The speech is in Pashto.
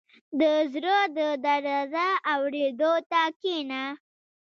• د زړه د درزا اورېدو ته کښېنه.